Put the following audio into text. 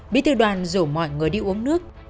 bí thư đoàn rủ mọi người đi uống nước